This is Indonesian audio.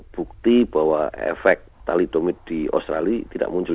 bukti bahwa efek talidomit di australia tidak muncul